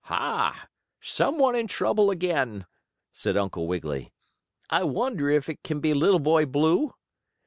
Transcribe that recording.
"Ha! Some one in trouble again," said Uncle Wiggily. "I wonder if it can be Little Boy Blue?"